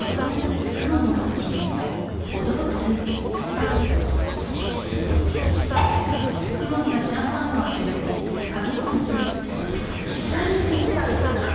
く何しに来たんですか？